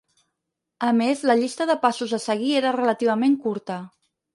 A més, la llista de passos a seguir era relativament curta.